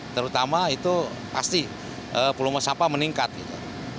terutama itu pasti volume sampah meningkat gitu